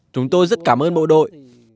chúng tôi rất cảm ơn bộ đội